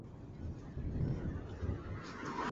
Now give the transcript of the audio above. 但周日请注意交通堵塞情况。